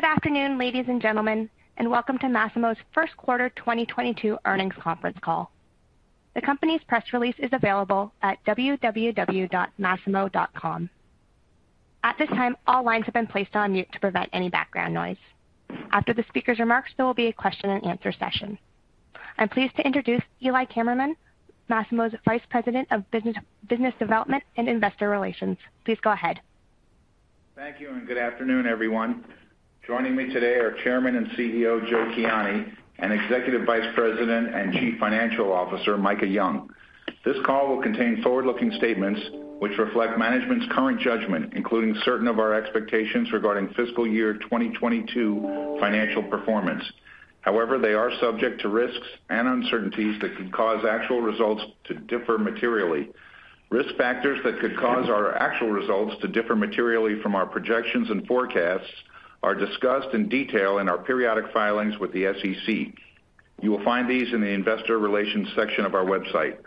Good afternoon, ladies and gentlemen, and welcome to Masimo's first quarter 2022 earnings conference call. The company's press release is available at www.masimo.com. At this time, all lines have been placed on mute to prevent any background noise. After the speaker's remarks, there will be a question-and-answer session. I'm pleased to introduce Eli Kammerman, Masimo's Vice President of Business Development and Investor Relations. Please go ahead. Thank you, and good afternoon, everyone. Joining me today are Chairman and CEO, Joe Kiani, and Executive Vice President and Chief Financial Officer, Micah Young. This call will contain forward-looking statements which reflect management's current judgment, including certain of our expectations regarding fiscal year 2022 financial performance. However, they are subject to risks and uncertainties that could cause actual results to differ materially. Risk factors that could cause our actual results to differ materially from our projections and forecasts are discussed in detail in our periodic filings with the SEC. You will find these in the investor relations section of our website.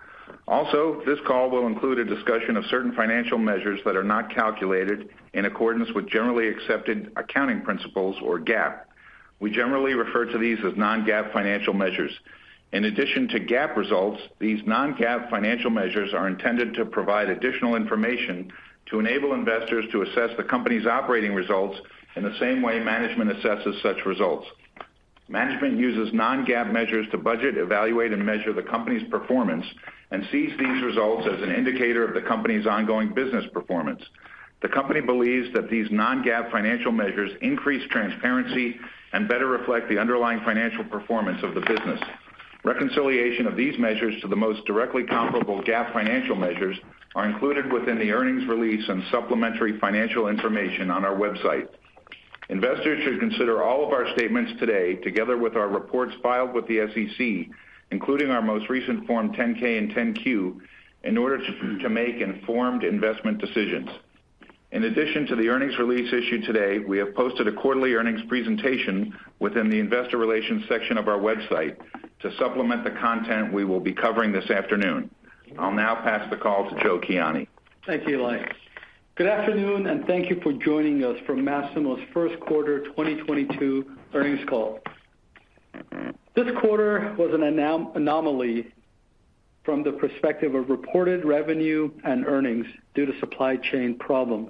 Also, this call will include a discussion of certain financial measures that are not calculated in accordance with generally accepted accounting principles or GAAP. We generally refer to these as non-GAAP financial measures. In addition to GAAP results, these non-GAAP financial measures are intended to provide additional information to enable investors to assess the company's operating results in the same way management assesses such results. Management uses non-GAAP measures to budget, evaluate, and measure the company's performance and sees these results as an indicator of the company's ongoing business performance. The company believes that these non-GAAP financial measures increase transparency and better reflect the underlying financial performance of the business. Reconciliation of these measures to the most directly comparable GAAP financial measures are included within the earnings release and supplementary financial information on our website. Investors should consider all of our statements today, together with our reports filed with the SEC, including our most recent Form 10-K and 10-Q, in order to make informed investment decisions. In addition to the earnings release issued today, we have posted a quarterly earnings presentation within the investor relations section of our website to supplement the content we will be covering this afternoon. I'll now pass the call to Joe Kiani. Thank you, Eli. Good afternoon, and thank you for joining us for Masimo's first quarter 2022 earnings call. This quarter was an anomaly from the perspective of reported revenue and earnings due to supply chain problems.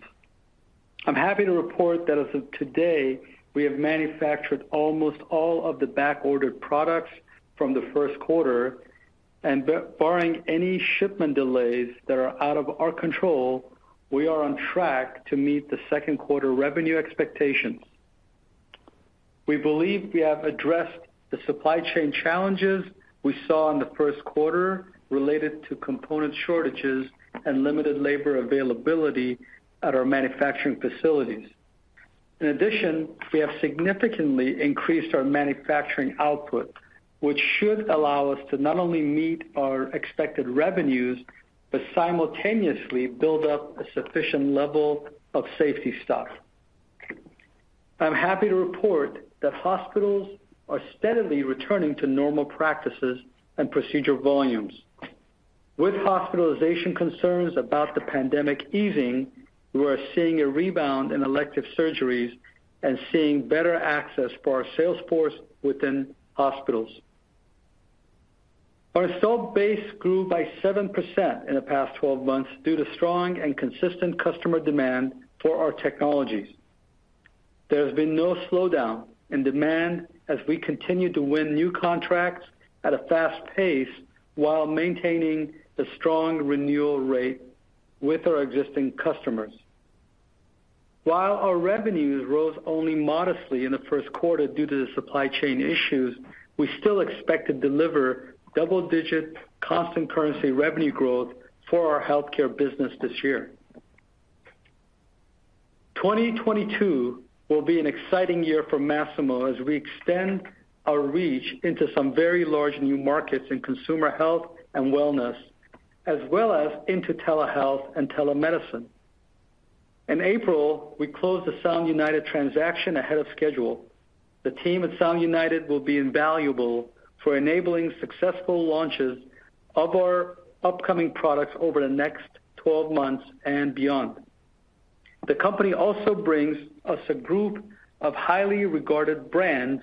I'm happy to report that as of today, we have manufactured almost all of the back-ordered products from the first quarter, and barring any shipment delays that are out of our control, we are on track to meet the second quarter revenue expectations. We believe we have addressed the supply chain challenges we saw in the first quarter related to component shortages and limited labor availability at our manufacturing facilities. In addition, we have significantly increased our manufacturing output, which should allow us to not only meet our expected revenues, but simultaneously build up a sufficient level of safety stock. I'm happy to report that hospitals are steadily returning to normal practices and procedure volumes. With hospitalization concerns about the pandemic easing, we are seeing a rebound in elective surgeries and seeing better access for our sales force within hospitals. Our installed base grew by 7% in the past 12 months due to strong and consistent customer demand for our technologies. There has been no slowdown in demand as we continue to win new contracts at a fast pace while maintaining a strong renewal rate with our existing customers. While our revenues rose only modestly in the first quarter due to the supply chain issues, we still expect to deliver double-digit constant currency revenue growth for our healthcare business this year. 2022 will be an exciting year for Masimo as we extend our reach into some very large new markets in consumer health and wellness, as well as into telehealth and telemedicine. In April, we closed the Sound United transaction ahead of schedule. The team at Sound United will be invaluable for enabling successful launches of our upcoming products over the next 12 months and beyond. The company also brings us a group of highly regarded brands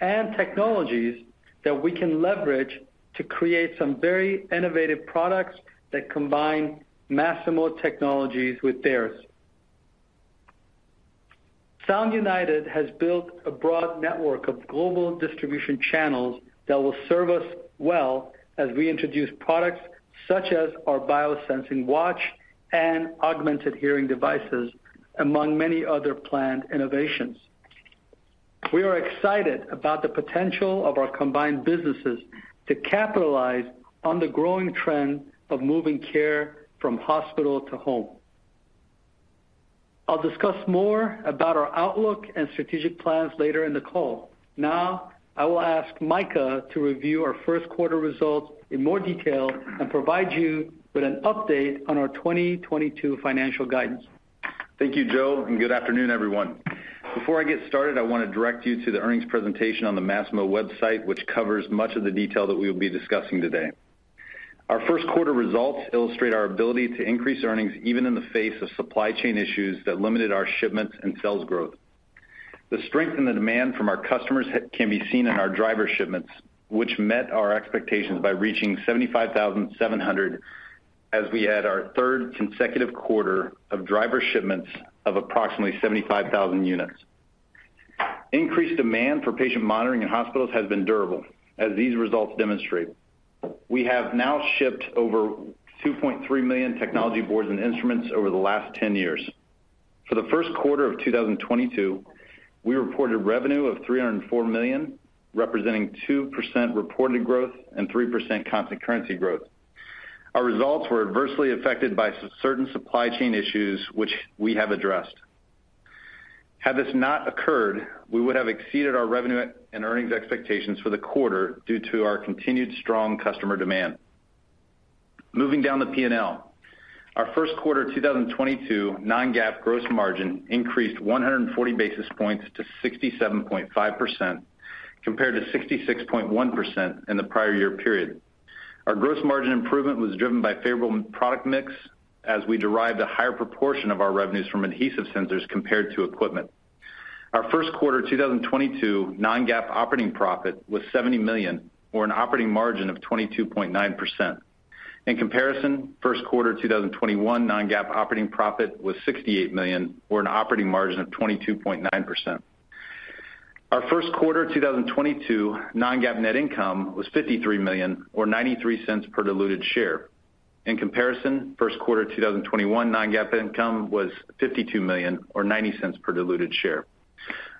and technologies that we can leverage to create some very innovative products that combine Masimo technologies with theirs. Sound United has built a broad network of global distribution channels that will serve us well as we introduce products such as our biosensing watch and augmented hearing devices, among many other planned innovations. We are excited about the potential of our combined businesses to capitalize on the growing trend of moving care from hospital to home. I'll discuss more about our outlook and strategic plans later in the call. Now, I will ask Micah to review our first quarter results in more detail and provide you with an update on our 2022 financial guidance. Thank you, Joe, and good afternoon, everyone. Before I get started, I want to direct you to the earnings presentation on the Masimo website, which covers much of the detail that we will be discussing today. Our first quarter results illustrate our ability to increase earnings even in the face of supply chain issues that limited our shipments and sales growth. The strength and the demand from our customers can be seen in our driver shipments, which met our expectations by reaching 75,700 as we had our third consecutive quarter of driver shipments of approximately 75,000 units. Increased demand for patient monitoring in hospitals has been durable, as these results demonstrate. We have now shipped over 2.3 million technology boards and instruments over the last 10 years. For the first quarter of 2022, we reported revenue of $304 million, representing 2% reported growth and 3% constant currency growth. Our results were adversely affected by certain supply chain issues, which we have addressed. Had this not occurred, we would have exceeded our revenue and earnings expectations for the quarter due to our continued strong customer demand. Moving down the P&L. Our first quarter 2022 non-GAAP gross margin increased 140 basis points to 67.5% compared to 66.1% in the prior year period. Our gross margin improvement was driven by favorable product mix as we derived a higher proportion of our revenues from adhesive sensors compared to equipment. Our first quarter 2022 non-GAAP operating profit was $70 million or an operating margin of 22.9%. In comparison, first quarter 2021 non-GAAP operating profit was $68 million or an operating margin of 22.9%. Our first quarter 2022 non-GAAP net income was $53 million or $0.93 per diluted share. In comparison, first quarter 2021 non-GAAP income was $52 million or $0.90 per diluted share.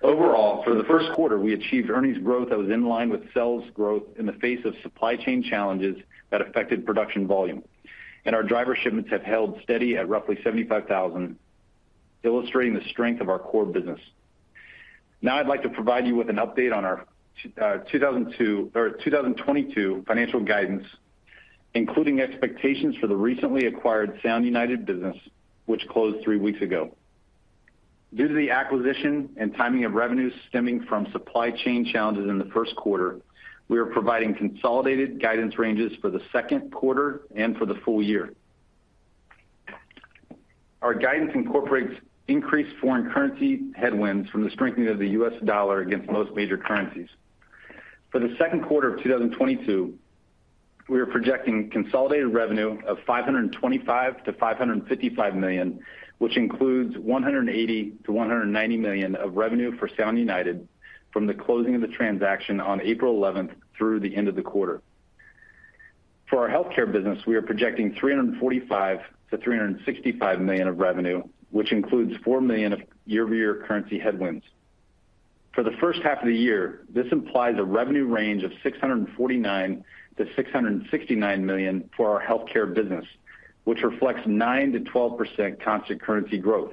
Overall, for the first quarter, we achieved earnings growth that was in line with sales growth in the face of supply chain challenges that affected production volume. Our driver shipments have held steady at roughly 75,000, illustrating the strength of our core business. Now, I'd like to provide you with an update on our 2022 financial guidance, including expectations for the recently acquired Sound United business, which closed three weeks ago. Due to the acquisition and timing of revenues stemming from supply chain challenges in the first quarter, we are providing consolidated guidance ranges for the second quarter and for the full year. Our guidance incorporates increased foreign currency headwinds from the strengthening of the U.S. dollar against most major currencies. For the second quarter of 2022, we are projecting consolidated revenue of $525 million-$555 million, which includes $180 million-$190 million of revenue for Sound United from the closing of the transaction on April 11 through the end of the quarter. For our healthcare business, we are projecting $345 million-$365 million of revenue, which includes $4 million of year-over-year currency headwinds. For the first half of the year, this implies a revenue range of $649 million-$669 million for our healthcare business, which reflects 9%-12% constant currency growth.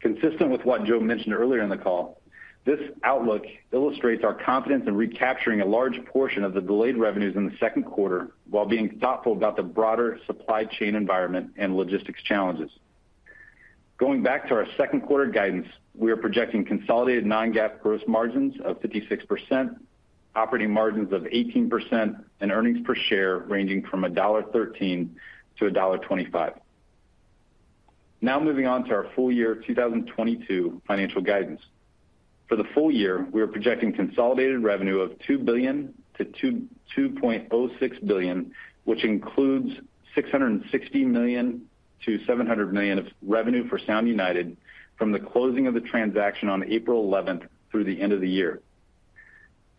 Consistent with what Joe mentioned earlier in the call, this outlook illustrates our confidence in recapturing a large portion of the delayed revenues in the second quarter while being thoughtful about the broader supply chain environment and logistics challenges. Going back to our second quarter guidance, we are projecting consolidated non-GAAP gross margins of 56%, operating margins of 18%, and earnings per share ranging from $1.13-$1.25. Now moving on to our full year 2022 financial guidance. For the full year, we are projecting consolidated revenue of $2 billion-$2.206 billion, which includes $660 million-$700 million of revenue for Sound United from the closing of the transaction on April eleventh through the end of the year.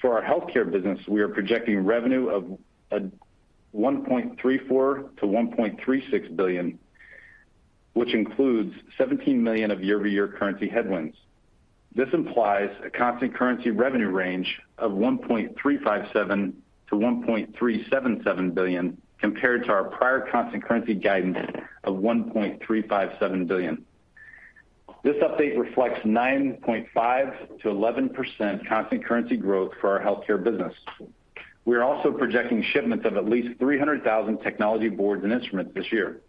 For our healthcare business, we are projecting revenue of $1.34 billion-$1.36 billion, which includes $17 million of year-over-year currency headwinds. This implies a constant currency revenue range of $1.357 billion-$1.377 billion compared to our prior constant currency guidance of $1.357 billion. This update reflects 9.5%-11% constant currency growth for our healthcare business. We are also projecting shipments of at least 300,000 technology boards and instruments this year.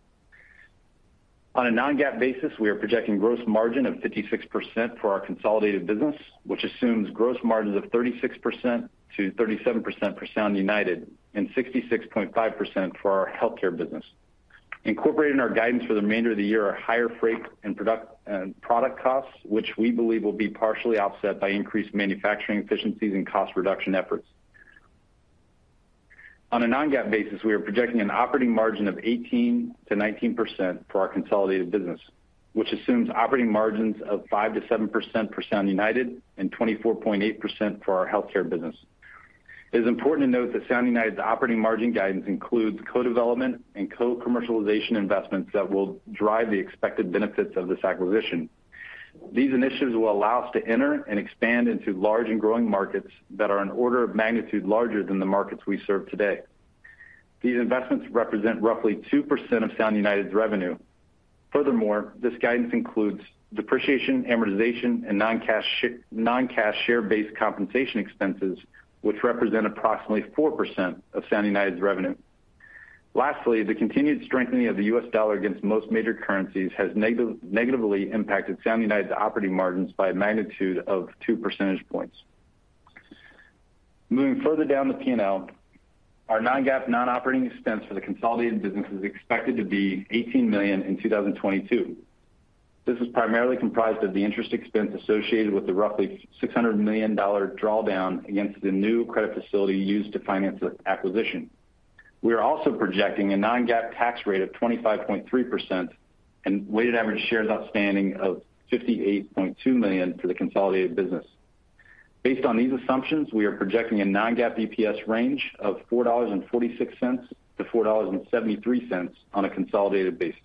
On a non-GAAP basis, we are projecting gross margin of 56% for our consolidated business, which assumes gross margins of 36%-37% for Sound United and 66.5% for our healthcare business. Incorporated in our guidance for the remainder of the year are higher freight and product costs, which we believe will be partially offset by increased manufacturing efficiencies and cost reduction efforts. On a non-GAAP basis, we are projecting an operating margin of 18%-19% for our consolidated business, which assumes operating margins of 5%-7% for Sound United and 24.8% for our healthcare business. It is important to note that Sound United's operating margin guidance includes co-development and co-commercialization investments that will drive the expected benefits of this acquisition. These initiatives will allow us to enter and expand into large and growing markets that are an order of magnitude larger than the markets we serve today. These investments represent roughly 2% of Sound United's revenue. Furthermore, this guidance includes depreciation, amortization, and non-cash share-based compensation expenses, which represent approximately 4% of Sound United's revenue. Lastly, the continued strengthening of the U.S. dollar against most major currencies has negatively impacted Sound United's operating margins by a magnitude of two percentage points. Moving further down the P&L, our non-GAAP non-operating expense for the consolidated business is expected to be $18 million in 2022. This is primarily comprised of the interest expense associated with the roughly $600 million drawdown against the new credit facility used to finance the acquisition. We are also projecting a non-GAAP tax rate of 25.3% and weighted average shares outstanding of 58.2 million for the consolidated business. Based on these assumptions, we are projecting a non-GAAP EPS range of $4.46-$4.73 on a consolidated basis.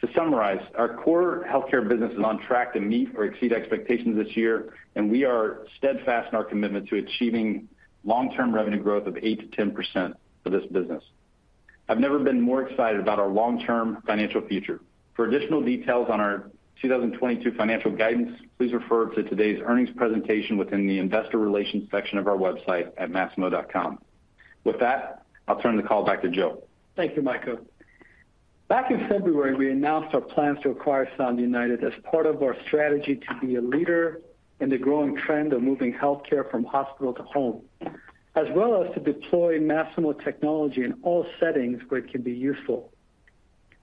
To summarize, our core healthcare business is on track to meet or exceed expectations this year, and we are steadfast in our commitment to achieving long-term revenue growth of 8%-10% for this business. I've never been more excited about our long-term financial future. For additional details on our 2022 financial guidance, please refer to today's earnings presentation within the investor relations section of our website at masimo.com. With that, I'll turn the call back to Joe. Thank you, Micah. Back in February, we announced our plans to acquire Sound United as part of our strategy to be a leader in the growing trend of moving healthcare from hospital to home, as well as to deploy Masimo technology in all settings where it can be useful.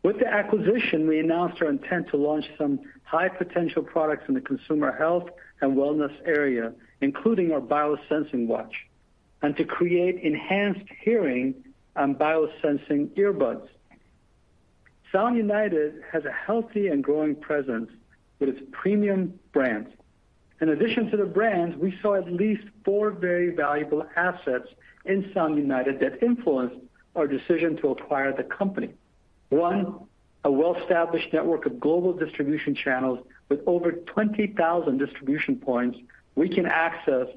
With the acquisition, we announced our intent to launch some high-potential products in the consumer health and wellness area, including our biosensing watch, and to create enhanced hearing and biosensing earbuds. Sound United has a healthy and growing presence with its premium brands. In addition to the brands, we saw at least four very valuable assets in Sound United that influenced our decision to acquire the company. One, a well-established network of global distribution channels with over 20,000 distribution points we can access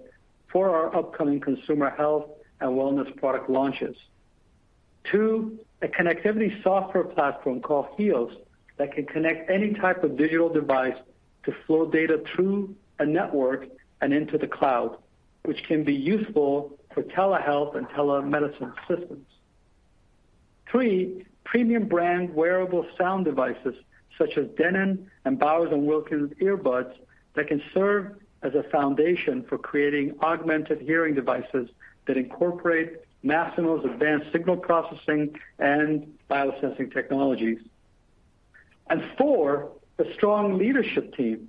for our upcoming consumer health and wellness product launches. Two, a connectivity software platform called HEOS that can connect any type of digital device to flow data through a network and into the cloud, which can be useful for telehealth and telemedicine systems. Three, premium brand wearable sound devices such as Denon and Bowers & Wilkins earbuds that can serve as a foundation for creating augmented hearing devices that incorporate Masimo's advanced signal processing and biosensing technologies. Four, a strong leadership team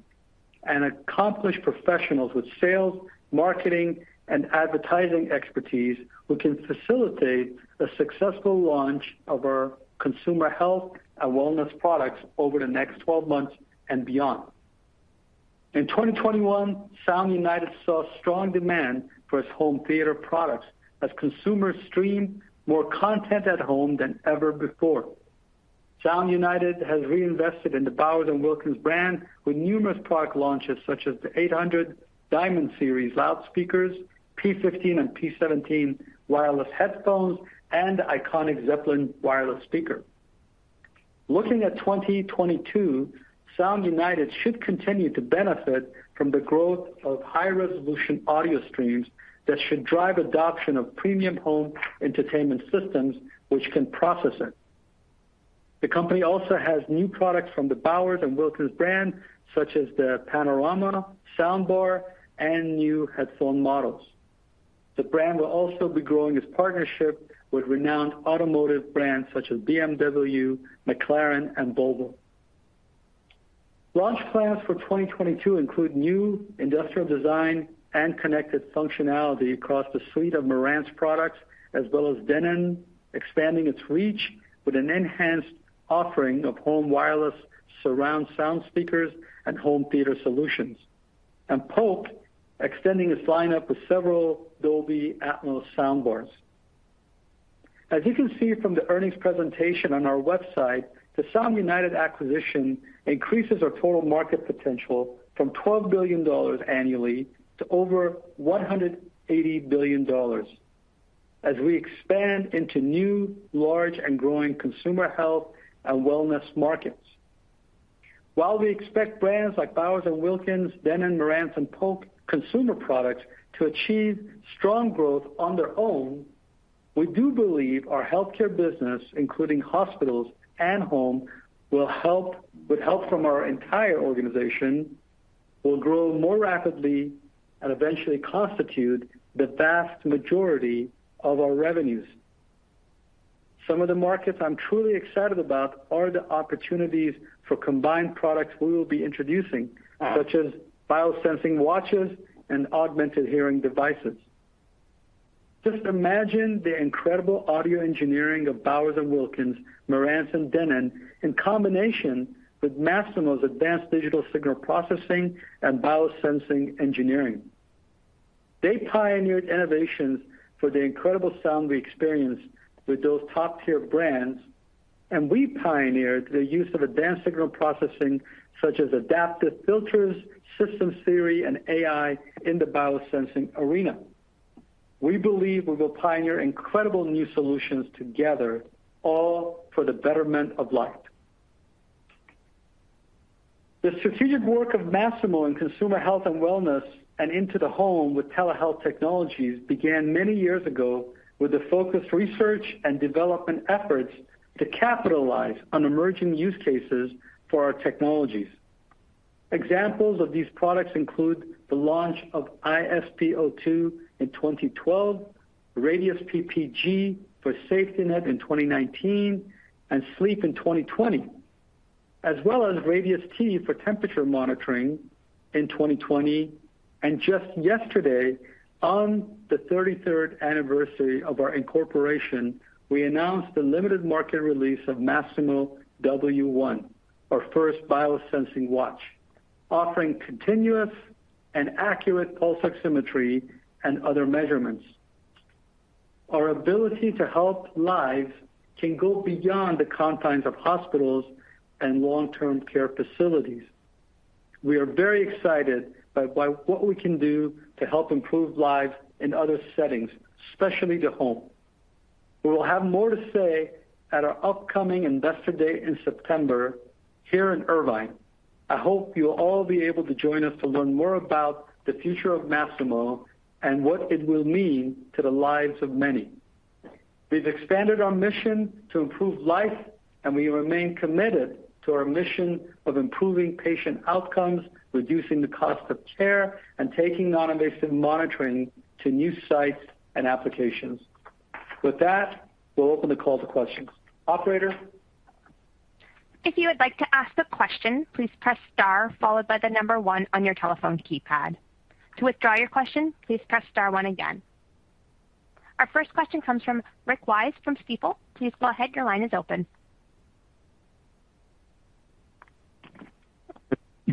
and accomplished professionals with sales, marketing, and advertising expertise who can facilitate the successful launch of our consumer health and wellness products over the next 12 months and beyond. In 2021, Sound United saw strong demand for its home theater products as consumers streamed more content at home than ever before. Sound United has reinvested in the Bowers & Wilkins brand with numerous product launches such as the 800 Series Diamond loudspeakers, Pi5 and Pi7 wireless headphones, and iconic Zeppelin wireless speaker. Looking at 2022, Sound United should continue to benefit from the growth of high-resolution audio streams that should drive adoption of premium home entertainment systems, which can process it. The company also has new products from the Bowers & Wilkins brand, such as their Panorama soundbar and new headphone models. The brand will also be growing its partnership with renowned automotive brands such as BMW, McLaren, and Volvo. Launch plans for 2022 include new industrial design and connected functionality across the suite of Marantz products, as well as Denon expanding its reach with an enhanced offering of home wireless surround sound speakers and home theater solutions, and Polk extending its lineup with several Dolby Atmos soundbars. As you can see from the earnings presentation on our website, the Sound United acquisition increases our total market potential from $12 billion annually to over $180 billion as we expand into new, large, and growing consumer health and wellness markets. While we expect brands like Bowers & Wilkins, Denon, Marantz, and Polk consumer products to achieve strong growth on their own, we do believe our healthcare business, including hospitals and home, with help from our entire organization, will grow more rapidly and eventually constitute the vast majority of our revenues. Some of the markets I'm truly excited about are the opportunities for combined products we will be introducing, such as biosensing watches and augmented hearing devices. Just imagine the incredible audio engineering of Bowers & Wilkins, Marantz, and Denon in combination with Masimo's advanced digital signal processing and biosensing engineering. They pioneered innovations for the incredible sound we experience with those top-tier brands, and we pioneered the use of advanced signal processing, such as adaptive filters, systems theory, and AI in the biosensing arena. We believe we will pioneer incredible new solutions together, all for the betterment of life. The strategic work of Masimo in consumer health and wellness and into the home with telehealth technologies began many years ago with the focused research and development efforts to capitalize on emerging use cases for our technologies. Examples of these products include the launch of iSpO2 in 2012, Radius PPG for SafetyNet in 2019, and Sleep in 2020, as well as Radius T° for temperature monitoring in 2020. Just yesterday, on the thirty-third anniversary of our incorporation, we announced the limited market release of Masimo W1, our first biosensing watch, offering continuous and accurate pulse oximetry and other measurements. Our ability to help lives can go beyond the confines of hospitals and long-term care facilities. We are very excited by what we can do to help improve lives in other settings, especially the home. We will have more to say at our upcoming Investor Day in September here in Irvine. I hope you'll all be able to join us to learn more about the future of Masimo and what it will mean to the lives of many. We've expanded our mission to improve life, and we remain committed to our mission of improving patient outcomes, reducing the cost of care, and taking non-invasive monitoring to new sites and applications. With that, we'll open the call to questions. Operator? If you would like to ask a question, please press star followed by the number one on your telephone keypad. To withdraw your question, please press star one again. Our first question comes from Rick Wise from Stifel. Please go ahead, your line is open.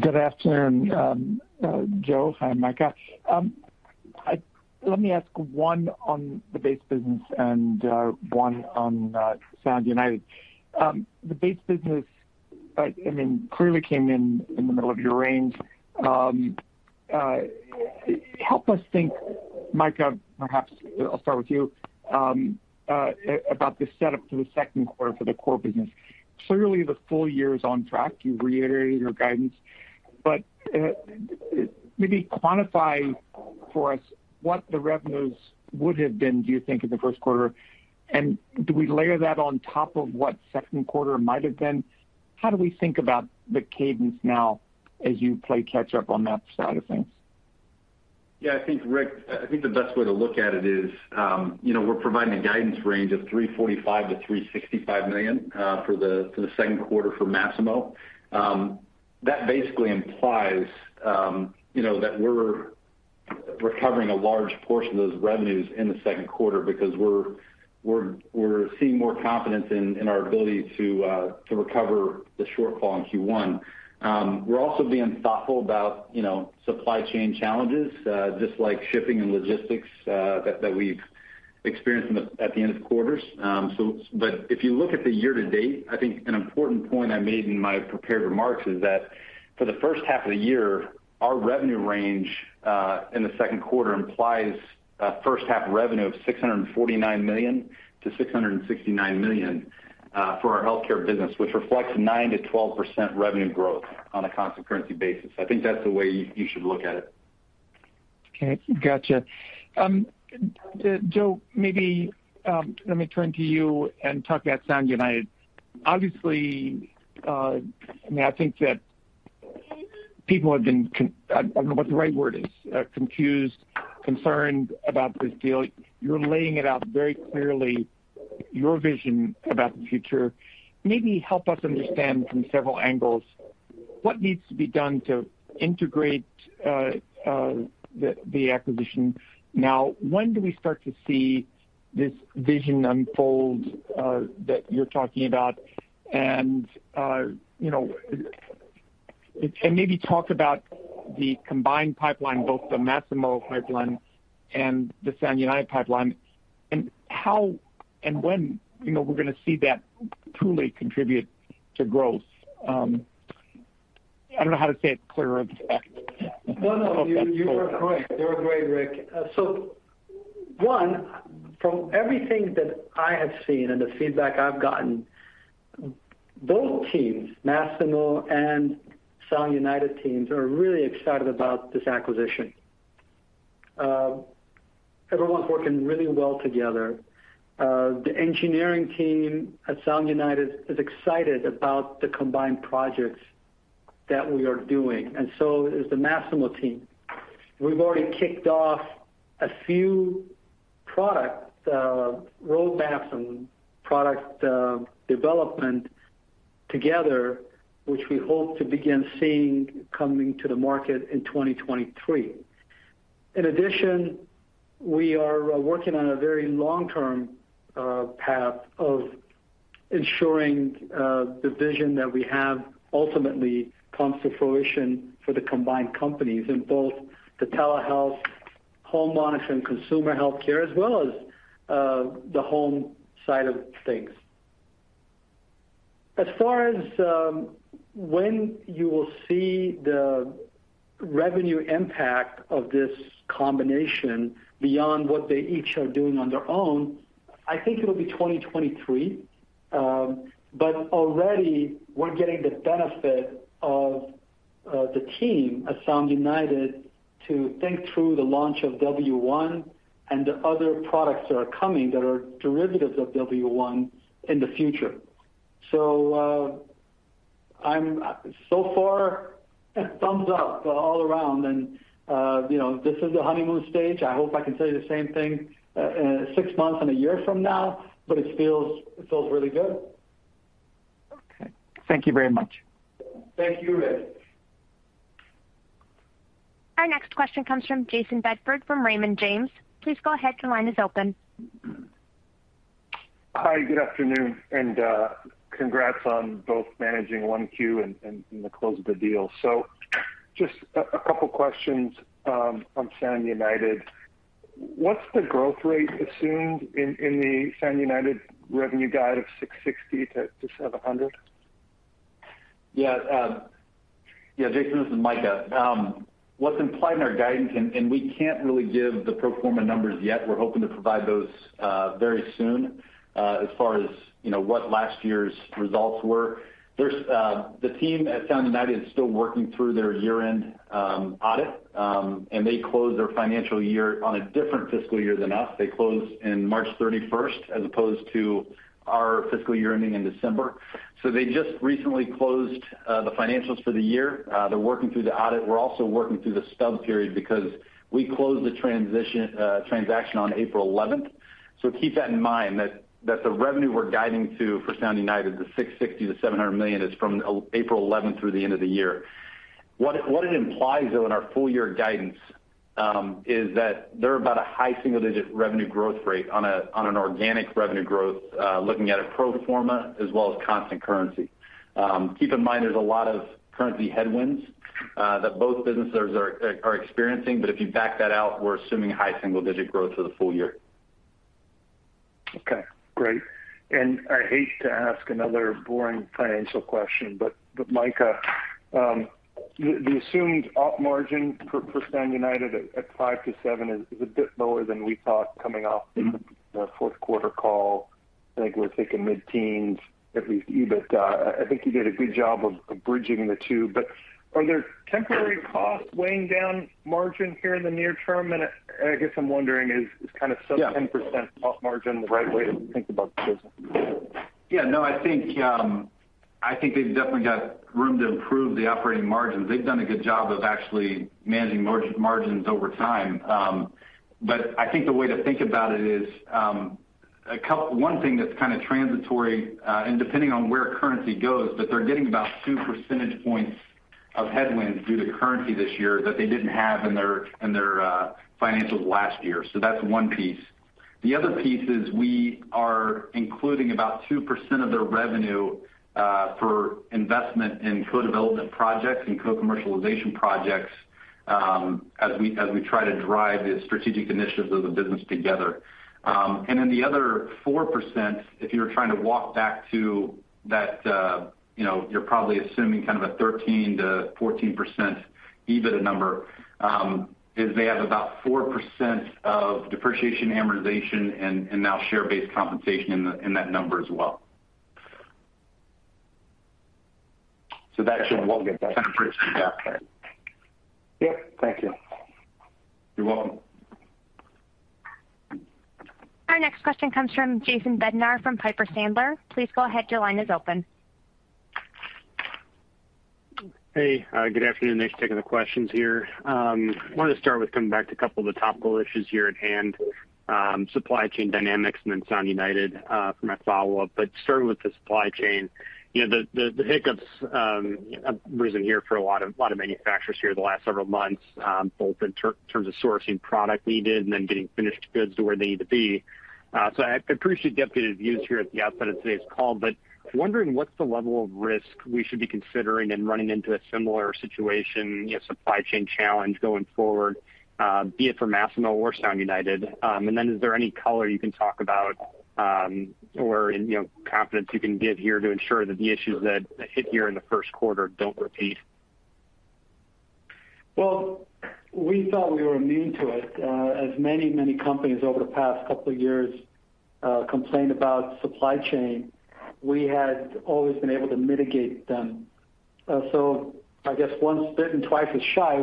Good afternoon, Joe. Hi, Micah. Let me ask one on the base business and one on Sound United. The base business, I mean, clearly came in in the middle of your range. Help us think, Micah, perhaps I'll start with you about the setup for the second quarter for the core business. Clearly, the full year is on track. You've reiterated your guidance. Maybe quantify for us what the revenues would have been, do you think, in the first quarter? And do we layer that on top of what second quarter might have been? How do we think about the cadence now as you play catch up on that side of things? Yeah, I think, Rick, I think the best way to look at it is, you know, we're providing a guidance range of $345 million-$365 million for the second quarter for Masimo. That basically implies, you know, that we're recovering a large portion of those revenues in the second quarter because we're seeing more confidence in our ability to recover the shortfall in Q1. We're also being thoughtful about, you know, supply chain challenges, just like shipping and logistics, that we've experienced at the end of quarters. If you look at the year to date, I think an important point I made in my prepared remarks is that for the first half of the year, our revenue range in the second quarter implies first half revenue of $649 million-$669 million for our healthcare business, which reflects 9%-12% revenue growth on a constant currency basis. I think that's the way you should look at it. Okay. Gotcha. Joe, maybe let me turn to you and talk about Sound United. Obviously, I mean, I think that people have been confused, concerned about this deal. I don't know what the right word is. You're laying it out very clearly, your vision about the future. Maybe help us understand from several angles what needs to be done to integrate the acquisition. Now, when do we start to see this vision unfold that you're talking about? You know, maybe talk about the combined pipeline, both the Masimo pipeline and the Sound United pipeline, and how and when, you know, we're going to see that truly contribute to growth. I don't know how to say it clearer than that. No, you were great, Rick. From everything that I have seen and the feedback I've gotten, both teams, Masimo and Sound United teams, are really excited about this acquisition. Everyone's working really well together. The engineering team at Sound United is excited about the combined projects that we are doing, and so is the Masimo team. We've already kicked off a few products, roadmaps and product development together, which we hope to begin seeing coming to the market in 2023. In addition, we are working on a very long-term path of ensuring the vision that we have ultimately comes to fruition for the combined companies in both the telehealth home monitoring consumer healthcare as well as the home side of things. As far as when you will see the revenue impact of this combination beyond what they each are doing on their own, I think it'll be 2023. Already we're getting the benefit of the team at Sound United to think through the launch of W1 and the other products that are coming that are derivatives of W1 in the future. I'm so far thumbs up all around and you know, this is the honeymoon stage. I hope I can tell you the same thing in six months and a year from now, but it feels really good. Okay. Thank you very much. Thank you, Rick. Our next question comes from Jayson Bedford from Raymond James. Please go ahead. Your line is open. Hi. Good afternoon, and congrats on both managing 1Q and the close of the deal. Just a couple of questions on Sound United. What's the growth rate assumed in the Sound United revenue guide of $660-$700? Yeah. Yeah, Jayson, this is Micah. What's implied in our guidance, and we can't really give the pro forma numbers yet. We're hoping to provide those very soon, as far as, you know, what last year's results were. The team at Sound United is still working through their year-end audit, and they close their financial year on a different fiscal year than us. They close in March thirty-first as opposed to our fiscal year ending in December. They just recently closed the financials for the year. They're working through the audit. We're also working through the stub period because we closed the transaction on April eleventh. Keep that in mind that the revenue we're guiding to for Sound United, the $660 million-$700 million, is from April 11 through the end of the year. What it implies, though, in our full-year guidance, is that they're about a high single-digit revenue growth rate on an organic revenue growth, looking at a pro forma as well as constant currency. Keep in mind there's a lot of currency headwinds that both businesses are experiencing. If you back that out, we're assuming high single-digit growth for the full year. Okay. Great. I hate to ask another boring financial question, but Micah, the assumed op margin for Sound United at 5%-7% is a bit lower than we thought coming off- Mm-hmm. The fourth quarter call. I think we're thinking mid-teens, at least EBITDA. I think you did a good job of bridging the two. Are there temporary costs weighing down margin here in the near term? I guess I'm wondering is kind of sub- Yeah. 10% op margin the right way to think about the business? Yeah, no, I think they have definitely got room to improve the operating margins. They have done a good job of actually managing margins over time. I think the way to think about it is one thing that's kind of transitory and depending on where currency goes, but they are getting about two percentage points of headwinds due to currency this year that they did not have in their financials last year. That's one piece. The other piece is we are including about 2% of their revenue for investment in co-development projects and co-commercialization projects as we try to drive the strategic initiatives of the business together. the other 4%, if you're trying to walk back to that, you know, you're probably assuming kind of a 13%-14% EBITDA number, is they have about 4% of depreciation, amortization, and now share-based compensation in that number as well. That should Okay. We'll get that. -% back then. Yep. Thank you. You're welcome. Our next question comes from Jason Bednar from Piper Sandler. Please go ahead. Your line is open. Hey, good afternoon. Thanks for taking the questions here. Wanted to start with coming back to a couple of the topical issues here at hand, supply chain dynamics and then Sound United, for my follow-up. Starting with the supply chain, you know, the hiccups have risen here for a lot of manufacturers here the last several months, both in terms of sourcing product needed and then getting finished goods to where they need to be. I'd appreciate getting updated views here at the outset of today's call. Wondering what's the level of risk we should be considering in running into a similar situation, you know, supply chain challenge going forward, be it for Masimo or Sound United. Is there any color you can talk about, or any, you know, confidence you can give here to ensure that the issues that hit here in the first quarter don't repeat? Well, we thought we were immune to it. As many, many companies over the past couple of years complained about supply chain, we had always been able to mitigate them. I guess once bitten, twice as shy.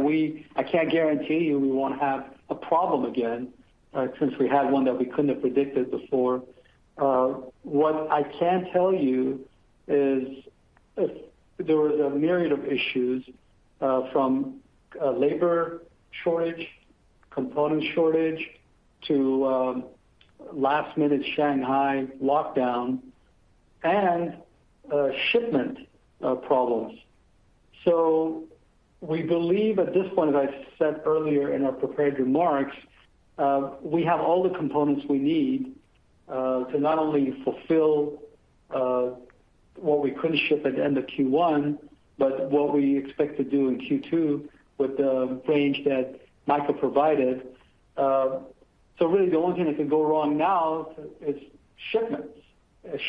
I can't guarantee you we won't have a problem again, since we had one that we couldn't have predicted before. What I can tell you is there was a myriad of issues from labor shortage, component shortage, to last minute Shanghai lockdown and shipment problems. We believe at this point, as I said earlier in our prepared remarks, we have all the components we need to not only fulfill what we couldn't ship at the end of Q1, but what we expect to do in Q2 with the range that Micah provided. So really the only thing that can go wrong now is shipments,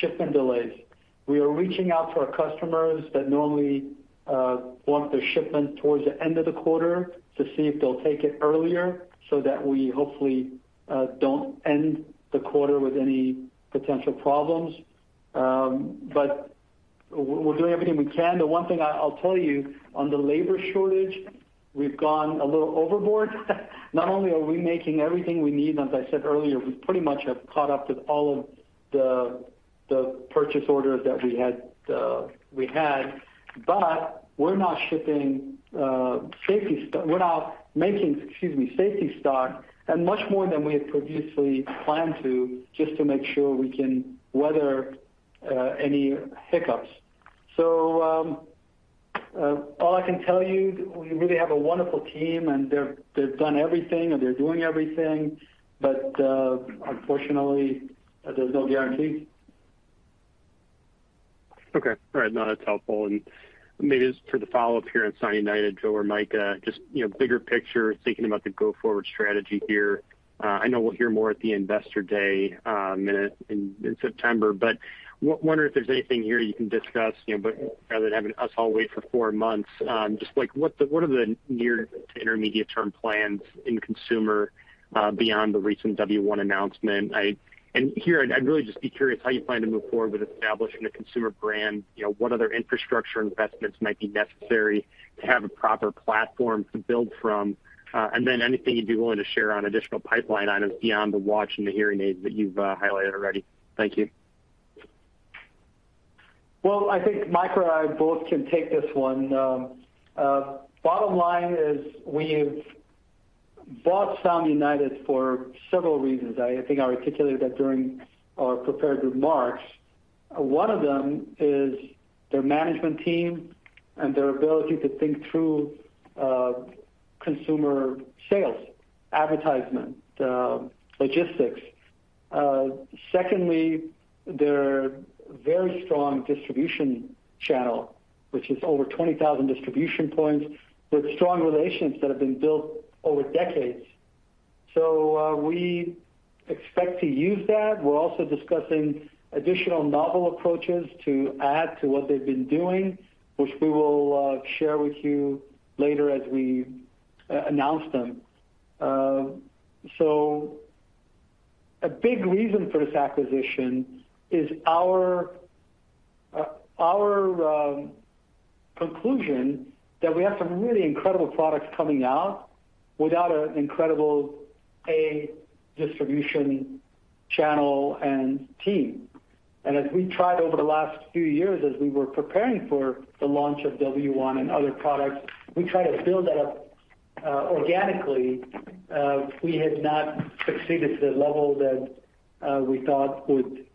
shipment delays. We are reaching out to our customers that normally want their shipment towards the end of the quarter to see if they'll take it earlier so that we hopefully don't end the quarter with any potential problems. We're doing everything we can. The one thing I'll tell you on the labor shortage, we've gone a little overboard. Not only are we making everything we need, as I said earlier, we pretty much have caught up with all of the purchase orders that we had. We're not making, excuse me, safety stock and much more than we had previously planned to just to make sure we can weather any hiccups. All I can tell you, we really have a wonderful team, and they're, they've done everything and they're doing everything, but unfortunately, there's no guarantee. Okay. All right. No, that's helpful. Maybe just for the follow-up here on Sound United, Joe or Mike, just, you know, bigger picture, thinking about the go-forward strategy here. I know we'll hear more at the Investor Day in September, but wonder if there's anything here you can discuss, you know, but rather than having us all wait for four months, just like what are the near to intermediate term plans in consumer beyond the recent W1 announcement. Here I'd really just be curious how you plan to move forward with establishing a consumer brand. You know, what other infrastructure investments might be necessary to have a proper platform to build from. Then anything you'd be willing to share on additional pipeline items beyond the watch and the hearing aids that you've highlighted already. Thank you. Well, I think Mike or I both can take this one. Bottom line is we've bought Sound United for several reasons. I think I articulated that during our prepared remarks. One of them is their management team and their ability to think through consumer sales, advertisement, logistics. Secondly, their very strong distribution channel, which is over 20,000 distribution points with strong relations that have been built over decades. We expect to use that. We're also discussing additional novel approaches to add to what they've been doing, which we will share with you later as we announce them. A big reason for this acquisition is our conclusion that we have some really incredible products coming out with an incredible distribution channel and team. As we tried over the last few years, as we were preparing for the launch of W1 and other products, we tried to build that up organically. We had not succeeded to the level that we thought would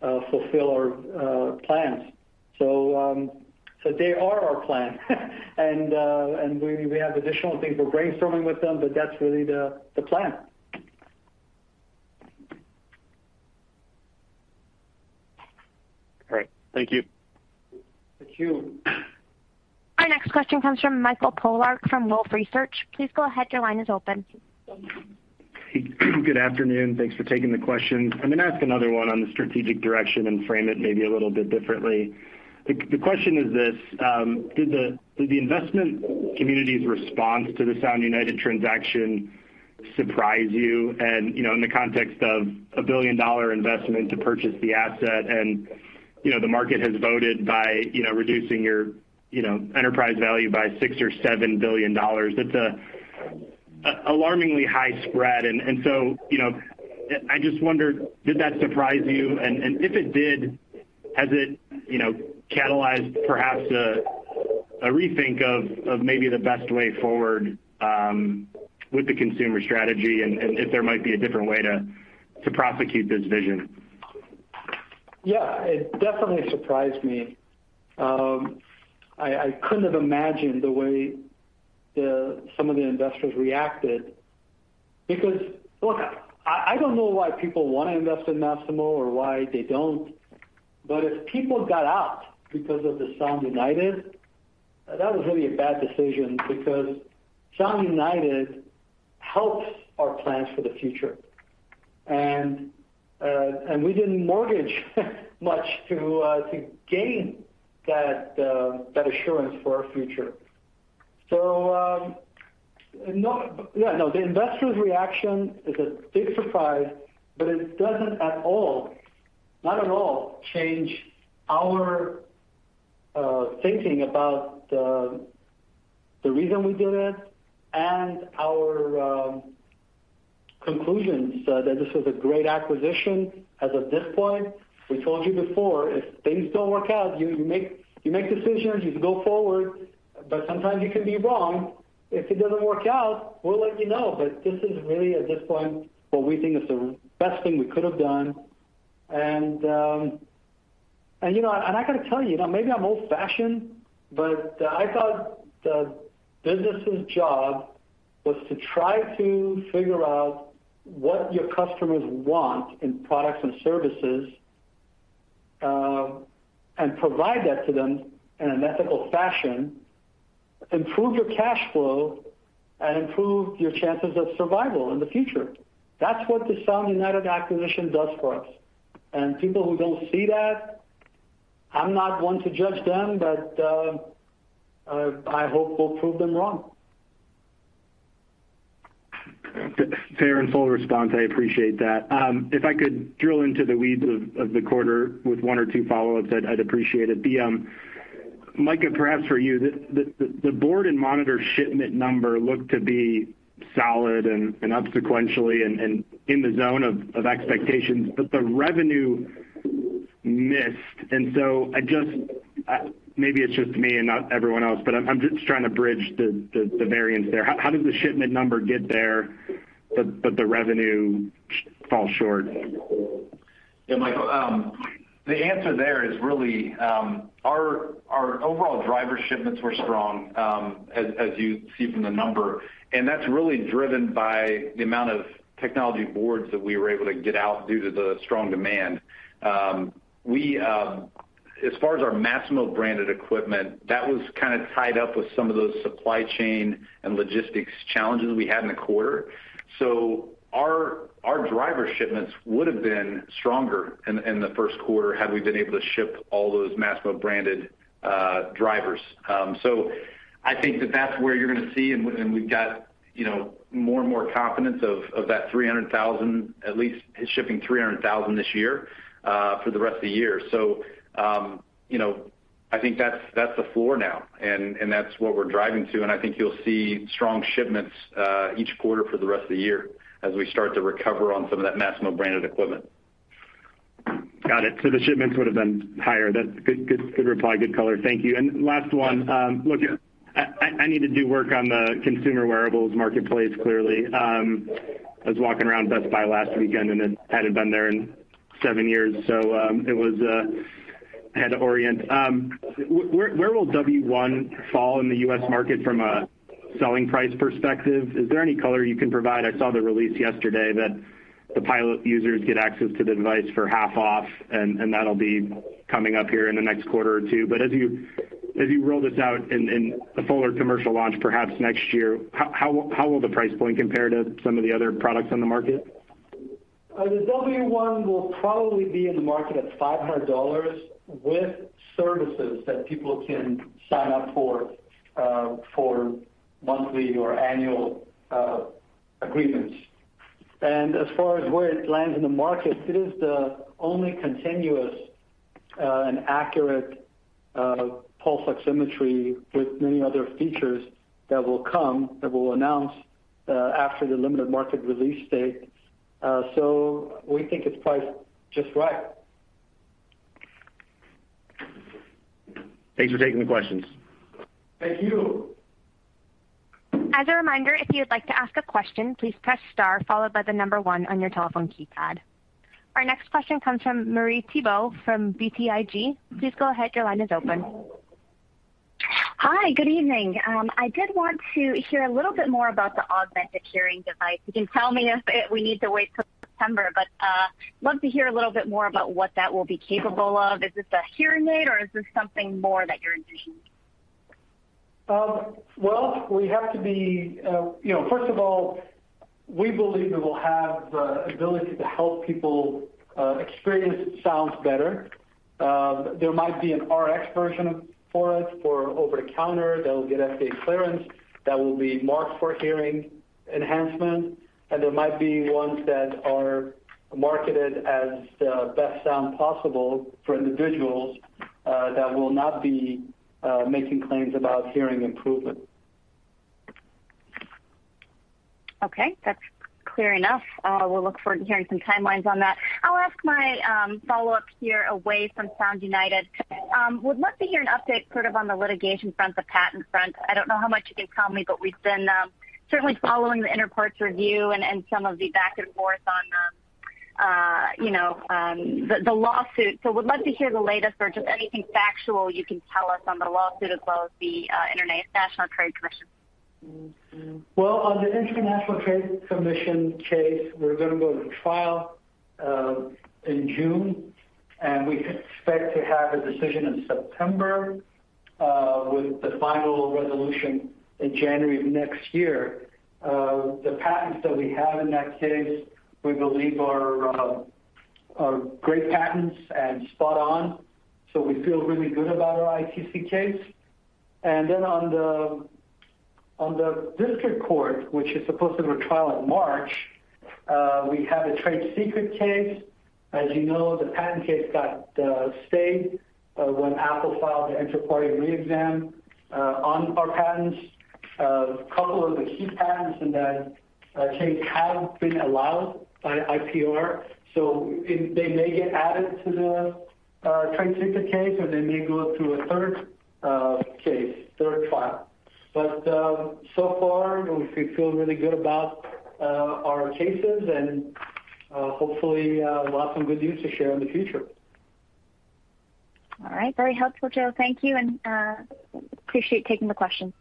fulfill our plans. They are our plan. We have additional things we're brainstorming with them, but that's really the plan. Great. Thank you. Thank you. Our next question comes from Michael Polark from Wolfe Research. Please go ahead. Your line is open. Good afternoon. Thanks for taking the question. I'm gonna ask another one on the strategic direction and frame it maybe a little bit differently. The question is this: Did the investment community's response to the Sound United transaction surprise you? You know, in the context of a billion-dollar investment to purchase the asset, you know, the market has voted by, you know, reducing your, you know, enterprise value by $6 billion or $7 billion. It's alarmingly high spread. So, you know, I just wondered, did that surprise you? If it did, has it, you know, catalyzed perhaps a rethink of maybe the best way forward with the consumer strategy and if there might be a different way to prosecute this vision? Yeah, it definitely surprised me. I couldn't have imagined the way some of the investors reacted because look, I don't know why people want to invest in Masimo or why they don't. If people got out because of the Sound United, that was really a bad decision because Sound United helps our plans for the future. We didn't mortgage much to gain that assurance for our future. Yeah, no, the investors' reaction is a big surprise, but it doesn't at all, not at all change our thinking about the reason we did it and our conclusions that this was a great acquisition as of this point. We told you before, if things don't work out, you make decisions, you go forward, but sometimes you can be wrong. If it doesn't work out, we'll let you know. This is really at this point what we think is the best thing we could have done. You know, I gotta tell you, maybe I'm old-fashioned, but I thought the business's job was to try to figure out what your customers want in products and services, and provide that to them in an ethical fashion, improve your cash flow, and improve your chances of survival in the future. That's what the Sound United acquisition does for us. People who don't see that, I'm not one to judge them, but I hope we'll prove them wrong. Fair and full response. I appreciate that. If I could drill into the weeds of the quarter with 1 or 2 follow-ups, I'd appreciate it. Mike, perhaps for you. The board and monitor shipment number looked to be solid and up sequentially and in the zone of expectations, but the revenue missed. Maybe it's just me and not everyone else, but I'm just trying to bridge the variance there. How did the shipment number get there but the revenue fall short? Yeah, Michael, the answer there is really, our overall driver shipments were strong, as you see from the number, and that's really driven by the amount of technology boards that we were able to get out due to the strong demand. As far as our Masimo-branded equipment, that was kinda tied up with some of those supply chain and logistics challenges we had in the quarter. Our driver shipments would have been stronger in the first quarter had we been able to ship all those Masimo-branded drivers. I think that's where you're gonna see and we've got, you know, more and more confidence of that 300,000 at least shipping 300,000 this year, for the rest of the year. You know, I think that's the floor now, and that's what we're driving to. I think you'll see strong shipments each quarter for the rest of the year as we start to recover on some of that Masimo-branded equipment. Got it. The shipments would have been higher. That's good reply. Good color. Thank you. Last one. Look, I need to do work on the consumer wearables marketplace, clearly. I was walking around Best Buy last weekend, and I hadn't been there in seven years, so it was. I had to orient. Where will W1 fall in the U.S. market from a selling price perspective? Is there any color you can provide? I saw the release yesterday that the pilot users get access to the device for half off, and that'll be coming up here in the next quarter or two. As you roll this out in a fuller commercial launch, perhaps next year, how will the price point compare to some of the other products on the market? The W1 will probably be in the market at $500 with services that people can sign up for monthly or annual agreements. As far as where it lands in the market, it is the only continuous and accurate pulse oximetry with many other features that will come, that we'll announce after the limited market release date, so we think it's priced just right. Thanks for taking the questions. Thank you. As a reminder, if you'd like to ask a question, please press star followed by the number one on your telephone keypad. Our next question comes from Marie Thibault from BTIG. Please go ahead. Your line is open. Hi. Good evening. I did want to hear a little bit more about the augmented hearing device. You can tell me if we need to wait till September, but love to hear a little bit more about what that will be capable of. Is this a hearing aid or is this something more that you're envisioning? Well, we have to be, you know. First of all, we believe that we'll have the ability to help people experience sounds better. There might be an Rx version of it for over-the-counter. They'll get FDA clearance that will be marketed for hearing enhancement, and there might be ones that are marketed as the best sound possible for individuals, that will not be making claims about hearing improvement. Okay. That's clear enough. We'll look forward to hearing some timelines on that. I'll ask my follow-up here away from Sound United. Would love to hear an update sort of on the litigation front, the patent front. I don't know how much you can tell me, but we've been certainly following the inter partes review and some of the back and forth on, you know, the lawsuit. Would love to hear the latest or just anything factual you can tell us on the lawsuit as well as the International Trade Commission. Well, on the International Trade Commission case, we're gonna go to trial in June, and we expect to have a decision in September with the final resolution in January of next year. The patents that we have in that case, we believe are great patents and spot on, so we feel really good about our ITC case. On the district court, which is supposed to go to trial in March, we have a trade secret case. As you know, the patent case got stayed when Apple filed the inter partes review on our patents. A couple of the key patents in that case have been allowed by IPR, so they may get added to the trade secret case or they may go through a third case, third trial. So far we feel really good about our cases and hopefully we'll have some good news to share in the future. All right. Very helpful, Joe. Thank you, and appreciate taking the question.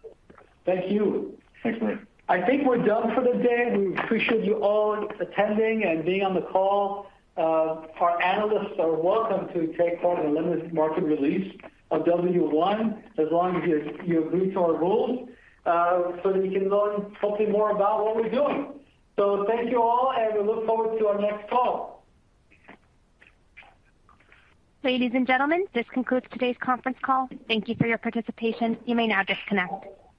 Thank you. Thanks, Marie. I think we're done for the day. We appreciate you all attending and being on the call. Our analysts are welcome to take part in the limited market release of W1 as long as you agree to our rules, so that you can learn hopefully more about what we're doing. Thank you all, and we look forward to our next call. Ladies and gentlemen, this concludes today's conference call. Thank you for your participation. You may now disconnect.